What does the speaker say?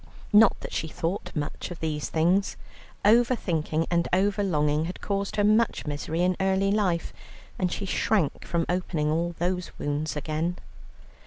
Not that she thought much of these things. Over thinking and over longing had caused her much misery in early life, and she shrank from opening all those wounds again.